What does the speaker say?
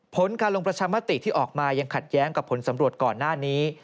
ผลการลงประชามติที่ออกมายังขัดแย้งกับผลสำรวจก่อนหน้านี้